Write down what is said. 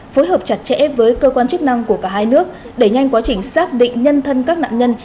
phối hợp chặt chẽ với cơ quan chức năng của cả hai nước đẩy nhanh quá trình xác định nhân thân các nạn nhân